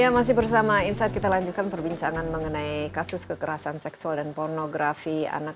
ya masih bersama insight kita lanjutkan perbincangan mengenai kasus kekerasan seksual dan pornografi anak